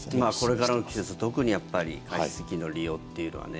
これからの季節、特に加湿器の利用というのはね。